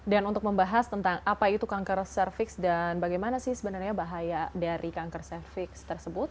dan untuk membahas tentang apa itu kanker cervix dan bagaimana sih sebenarnya bahaya dari kanker cervix tersebut